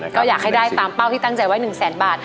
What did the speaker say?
ก็อยากให้ได้ตามเป้าที่ตั้งใจไว้๑แสนบาท